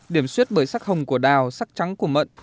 điểm xuyết bởi sắc hồng của đào sắc trắng của mận